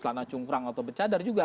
karena cungkrang atau becadar juga